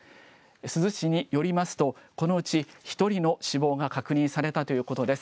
珠洲市によりますと、このうち１人の死亡が確認されたということです。